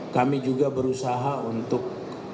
kami juga berusaha untuk